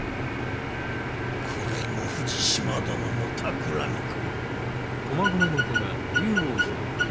これも富士島殿のたくらみか。